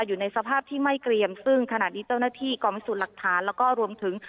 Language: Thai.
อยู่ในสภาพที่ไม่เกรียมซึ่งขณะนี้เจ้าหน้าที่กองพิสูจน์หลักฐานแล้วก็รวมถึง